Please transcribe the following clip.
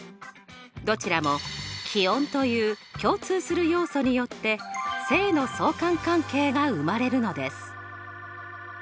どちらも気温という共通する要素によって正の相関関係が生まれるのです。